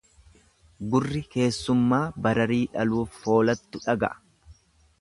Gurri keessummaa bararii dhaluuf foolattu dhaga'a.